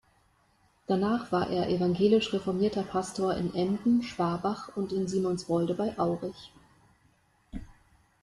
Danach war er evangelisch-reformierter Pastor in Emden, Schwabach und in Simonswolde bei Aurich.